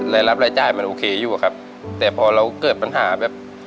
รายรับรายจ่ายมันโอเคอยู่ครับแต่พอเราเกิดปัญหาแบบ